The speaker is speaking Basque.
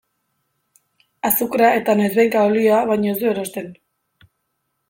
Azukrea eta noizbehinka olioa baino ez du erosten.